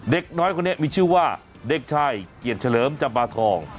เด็กน้อยคนนี้มีชื่อว่าเด็กชายเกียรติเฉลิมจำบาทอง